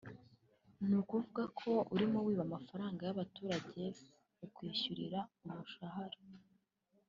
ni ukuvuga ko urimo wiba amafaranga y’abaturage akwishyurira umushahara